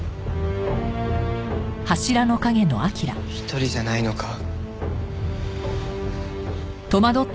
１人じゃないのか。